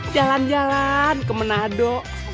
jalan jalan ke menado